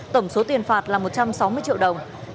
tổng số tiền phạt là một trăm sáu mươi triệu đồng